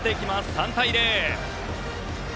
３対０。